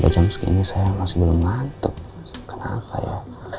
jam segini saya masih belum ngantuk kenapa ya